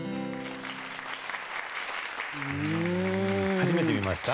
初めて見ました？